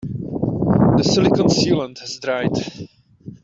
The silicon sealant has dried.